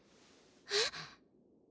えっ？